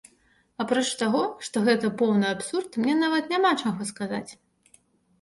Апроч таго, што гэта поўны абсурд мне нават няма чаго сказаць.